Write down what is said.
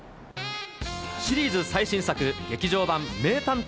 シリーズ最新作、劇場版名探偵